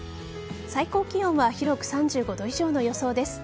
最高気温は広く３５度以上の予想です。